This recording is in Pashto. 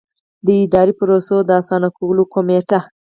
د اداري پروسو د اسانه کولو کمېټه.